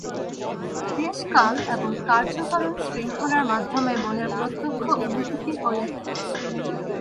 দেশ, কাল এবং কার্য-কারণ-শৃঙ্খলার মাধ্যমে মনের প্রত্যক্ষ অনুভূতি হইয়া থাকে।